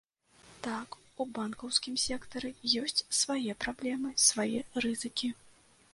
Так, у банкаўскім сектары ёсць свае праблемы, свае рызыкі.